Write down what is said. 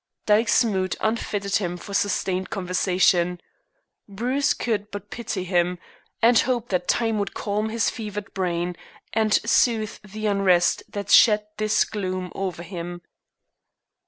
Dyke's mood unfitted him for sustained conversation. Bruce could but pity him, and hope that time would calm his fevered brain, and soothe the unrest that shed this gloom over him.